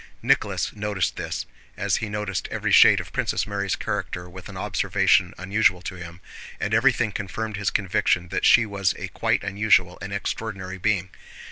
Nicholas noticed this, as he noticed every shade of Princess Mary's character with an observation unusual to him, and everything confirmed his conviction that she was a quite unusual and extraordinary being.